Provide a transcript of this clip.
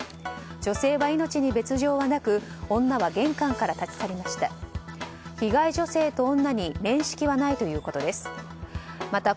女性は命に別状はなく女は玄関から立ち去りました。